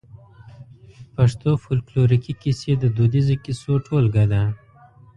پښتو فولکلوريکي کيسې د دوديزو کيسو ټولګه ده.